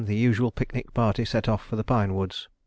the usual picnic party set off for the pine woods.